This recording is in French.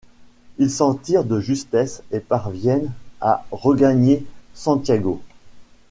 Ils s'en tirent de justesse et parviennent à regagner Santiago.